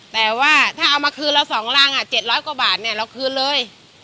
แต่ว่าถ้าเอามาคืนเราสองรังอ่ะ๗๐๐กว่าบาทเนี่ยเราคืนเลย